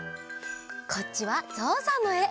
こっちは「ぞうさん」のえ！